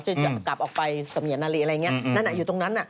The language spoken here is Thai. จะกลับออกไปสะเหมือนอรีอะไรอย่างนี้อยู่ตรงนั้น